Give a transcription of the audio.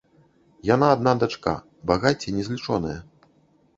Яна адна дачка, багацце незлічонае.